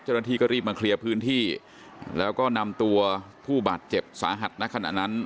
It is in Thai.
เจ้าหน้าที่ก็รีบมาเคลียร์พื้นที่แล้วก็นำตัวผู้บาดเจ็บสาหัสณขณะนั้น